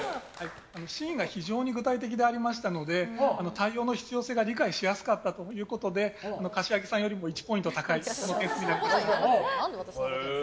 シーンが非常に具体的でありましたので対応の必要性が理解しやすかったということで柏木さんよりも１ポイント高い点数となっています。